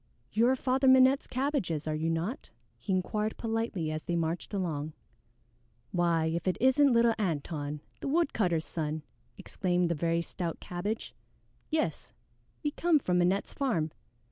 "You are Father Minette's cabbages, are you not?" he inquired politely as they marched along. "Why, if it isn't little Antone, the woodcutter's son!" exclaimed the very stout Cabbage. "Yes, we come from Minette's farm.